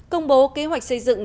công bố kế hoạch xây dựng